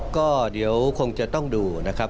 ก็เดี๋ยวคงจะต้องดูนะครับ